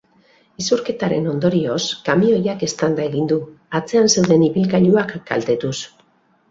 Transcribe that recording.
Isurketaren ondorioz, kamioiak eztanda egin du, atzean zeuden ibilgailuak kaltetuz.